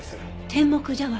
天目茶碗？